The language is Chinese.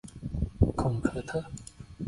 孔科特。